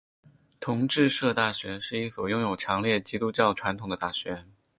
同志社大学是一所拥有强烈基督教传统的大学。